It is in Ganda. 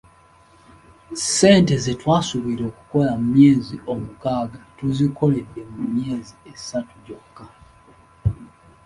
Ssente ze twasuubira okukola mu myezi omukaaga, tuzikoledde mu myezi esatu gyokka.